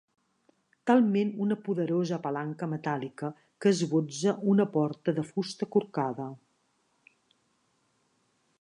Talment una poderosa palanca metàl·lica que esbotza una porta de fusta corcada.